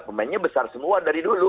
pemainnya besar semua dari dulu